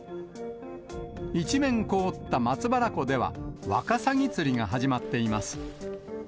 一面凍った松原湖では、ワカサギ釣りが始まっています。